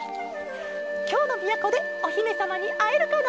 「きょうのみやこでおひめさまにあえるかな？